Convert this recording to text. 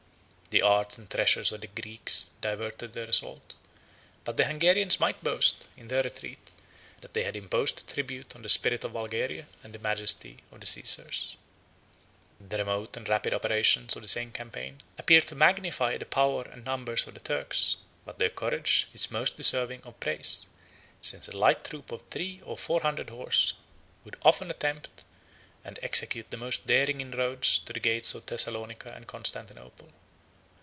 The arts and treasures of the Greeks diverted the assault; but the Hungarians might boast, in their retreat, that they had imposed a tribute on the spirit of Bulgaria and the majesty of the Caesars. 34 The remote and rapid operations of the same campaign appear to magnify the power and numbers of the Turks; but their courage is most deserving of praise, since a light troop of three or four hundred horse would often attempt and execute the most daring inroads to the gates of Thessalonica and Constantinople.